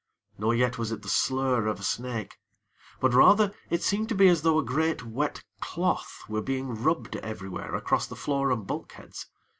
Nor yet was it the slurr of a snake; but rather it seemed to us to be as though a great wet cloth were being rubbed everywhere across the floor and bulkheads.